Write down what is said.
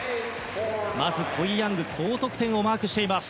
まず、コイ・ヤングが高得点をマークしています。